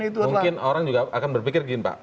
mungkin orang juga akan berpikir gini pak